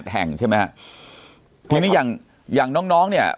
จนถึงปัจจุบันมีการมารายงานตัว